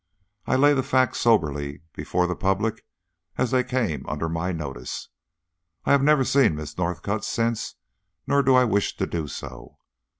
I lay the facts soberly before the public as they came under my notice. I have never seen Miss Northcott since, nor do I wish to do so.